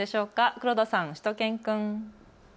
黒田さん、しゅと犬くん。